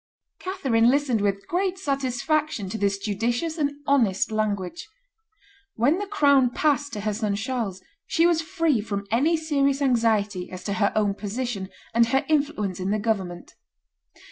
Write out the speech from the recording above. Catherine listened with great satisfaction to this judicious and honest language. When the crown passed to her son Charles she was free from any serious anxiety as to her own position and her influence in the government.